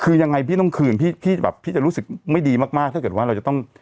คือยังไงพี่ต้องคืนพี่พี่แบบพี่จะรู้สึกไม่ดีมากถ้าเกิดว่าเราจะต้อง